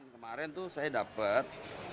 kemarin saya dapat